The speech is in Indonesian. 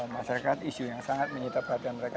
masyarakat isu yang sangat menyita perhatian mereka